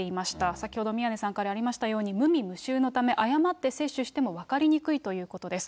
先ほど宮根さんからありましたように、無味無臭のため、誤って摂取しても分かりにくいということです。